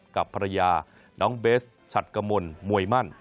กับภรรยาน้องเบสฉัดกมลมวยมั่น